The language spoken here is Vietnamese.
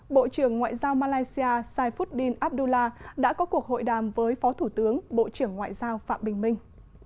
bộ trưởng ngoại giao malaysia saifuddin abdullah đã có cuộc hội đàm với phó thủ tướng bộ trưởng ngoại giao phạm bình minh